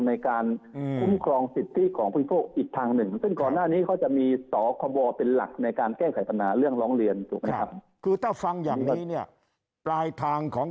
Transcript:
ในการคุ้มครองสิทธิของพวกอีกทางหนึ่ง